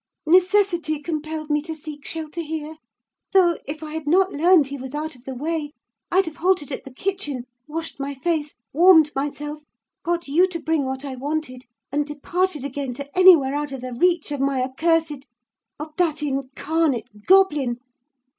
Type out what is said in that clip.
Necessity compelled me to seek shelter here; though, if I had not learned he was out of the way, I'd have halted at the kitchen, washed my face, warmed myself, got you to bring what I wanted, and departed again to anywhere out of the reach of my accursed—of that incarnate goblin!